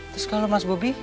terus kalau mas bobi